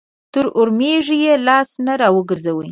تر اورمېږ يې لاس نه راګرځي.